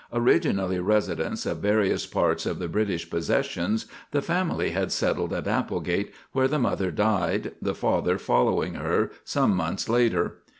Originally residents of various parts of the British possessions, the family had settled at Applegate, where the mother died, the father following her some months later.